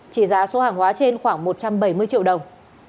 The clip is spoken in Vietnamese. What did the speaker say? trị giá số hàng hóa trên khoảng một trăm bảy mươi triệu đồng